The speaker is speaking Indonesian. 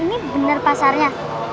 ini benar pasarnya